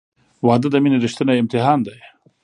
• واده د مینې ریښتینی امتحان دی.